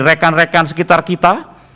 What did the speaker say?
rekan rekan sekitar kita